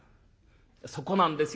「そこなんですよ。